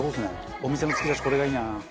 お店の突き出しこれがいいな。